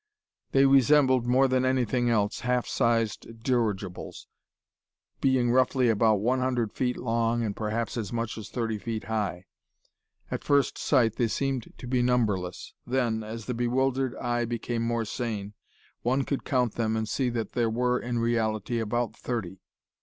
They resembled, more than anything else, half sized dirigibles, being roughly about one hundred feet long and perhaps as much as thirty feet high. At first sight, they seemed to be numberless; then, as the bewildered eye became more sane, one could count them and see that there were, in reality, about thirty.